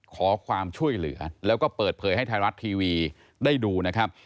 ขอความช่วยเหลือแล้วก็เปิดเผยให้ไทยรัฐทีวีได้ดูนะครับ